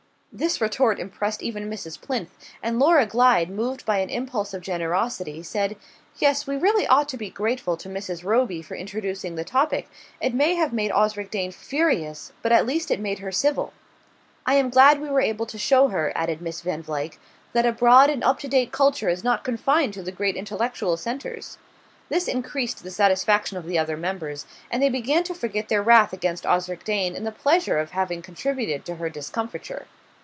This retort impressed even Mrs. Plinth, and Laura Glyde, moved by an impulse of generosity, said: "Yes, we really ought to be grateful to Mrs. Roby for introducing the topic. It may have made Osric Dane furious, but at least it made her civil." "I am glad we were able to show her," added Miss Van Vluyck, "that a broad and up to date culture is not confined to the great intellectual centres." This increased the satisfaction of the other members, and they began to forget their wrath against Osric Dane in the pleasure of having contributed to her discomfiture.